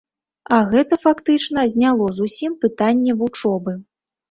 А гэта, фактычна, зняло зусім пытанне вучобы.